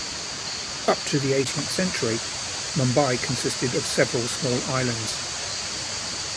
Up to the eighteenth century, Mumbai consisted of several small islands.